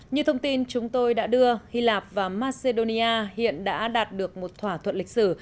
như thông tin chúng tôi đã đưa hy lạp và macedonia hiện đã đạt được một thỏa thuận lịch sử